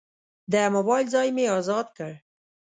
د موبایل ځای مې ازاد کړ.